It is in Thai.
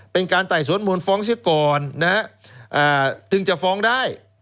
เป็นการไต่สวนมูลฟ้องเสียก่อนนะฮะถึงจะฟ้องได้